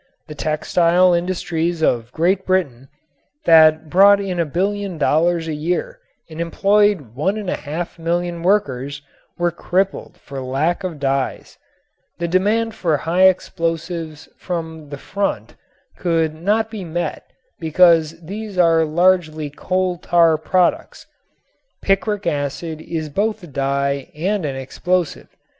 The textile industries of Great Britain, that brought in a billion dollars a year and employed one and a half million workers, were crippled for lack of dyes. The demand for high explosives from the front could not be met because these also are largely coal tar products. Picric acid is both a dye and an explosive.